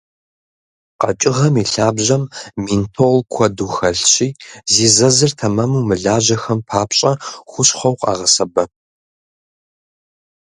Къэкӏыгъэм и лъабжьэм ментол куэду хэлъщи, зи зэзыр тэмэму мылажьэхэм папщӏэ хущхъуэу къагъэсэбэп.